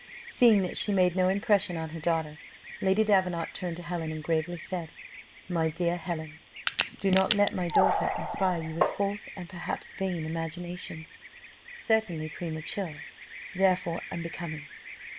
Seeing that she made no impression on her daughter, Lady Davenant turned to Helen, and gravely said, "My dear Helen, do not let my daughter inspire you with false, and perhaps vain imaginations, certainly premature, therefore unbecoming."